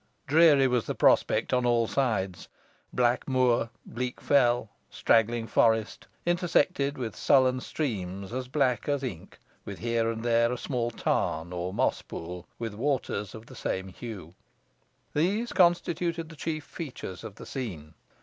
Dreary was the prospect on all sides. Black moor, bleak fell, straggling forest, intersected with sullen streams as black as ink, with here and there a small tarn, or moss pool, with waters of the same hue these constituted the chief features of the scene.